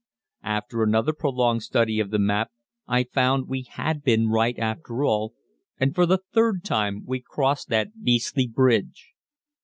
After another prolonged study of the map, I found we had been right after all, and for the third time we crossed that beastly bridge.